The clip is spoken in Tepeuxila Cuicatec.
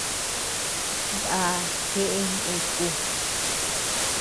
Ndá jeʼe nè ku.